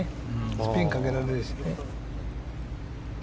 スピンかけられるしね。